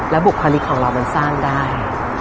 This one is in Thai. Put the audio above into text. บุคลิกของเรามันสร้างได้